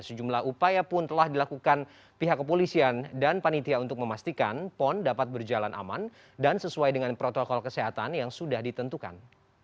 sejumlah upaya pun telah dilakukan pihak kepolisian dan panitia untuk memastikan pon dapat berjalan aman dan sesuai dengan protokol kesehatan yang sudah ditentukan